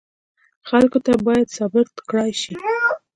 خلکو ته باید ثابته کړای شي.